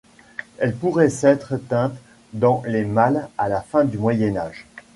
Elle pourrait s'être éteinte dans les mâles à la fin du Moyen Âge.